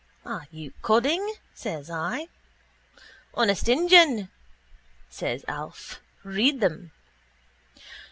—Are you codding? says I. —Honest injun, says Alf. Read them.